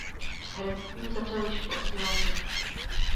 S herectvím začal již v osmi letech.